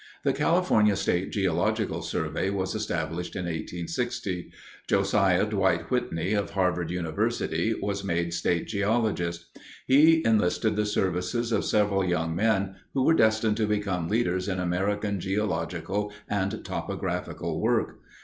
The California State Geological Survey was established in 1860. Josiah Dwight Whitney, of Harvard University, was made State Geologist. He enlisted the services of several young men who were destined to become leaders in American geological and topographical work.